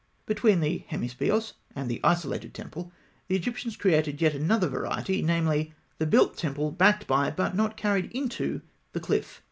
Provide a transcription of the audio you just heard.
Between the hemi speos and the isolated temple, the Egyptians created yet another variety, namely, the built temple backed by, but not carried into, the cliff.